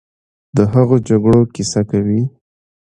د هغو جګړو کیسه کوي،